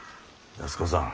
安子さん。